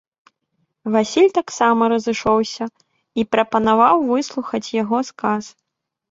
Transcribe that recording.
Васіль таксама разышоўся і прапанаваў выслухаць яго сказ.